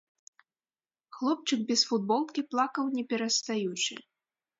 Хлопчык без футболкі плакаў не перастаючы.